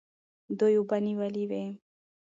دوی اوبه نیولې وې.